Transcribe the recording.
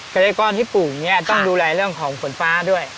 เกษตรกรที่ปลูกเนี่ยต้องดูแลเรื่องของฝนฟ้าด้วย